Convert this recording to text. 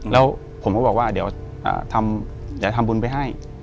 แล้วผมก็บอกว่าเดี๋ยวจะทำบุญไปให้